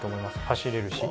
走れるし。